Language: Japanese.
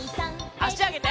あしあげて。